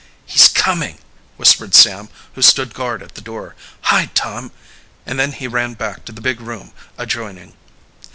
"He's coming!" whispered Sam, who stood guard at the door. "Hide, Tom," and then he ran back to the big room adjoining.